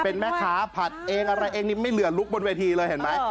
เป็นแม่ค้าผัดเองอะไรเองนี่ไม่เหลือลุคบนเวทีเลยเห็นไหม